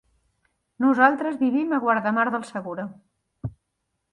Nosaltres vivim a Guardamar del Segura.